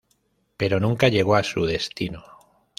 Pero nunca llegó a su destino.